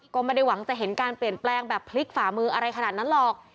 ก็ไม่ได้หวังจะเห็นการเปลี่ยนแปลงแบบพลิกฝ่ามืออะไรขนาดนั้นหรอก